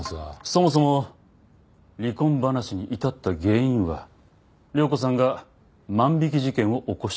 そもそも離婚話に至った原因は涼子さんが万引き事件を起こしたからです。